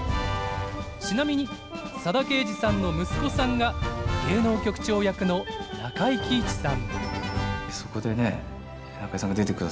ちなみに佐田啓二さんの息子さんが芸能局長役の中井貴一さん。